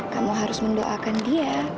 kamu harus mendoakan dia